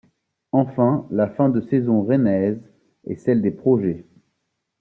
Enfin, la fin de saison rennaise est celle des projets.